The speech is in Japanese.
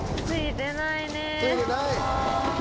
ついてないね。